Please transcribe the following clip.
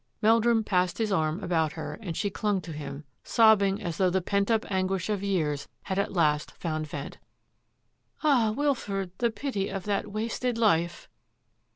Meldrum passed his arm about her and she clung to him, sobbing as though the pent up anguish of years had at last found vent. " Ah, Wilfred, the pity of that wasted life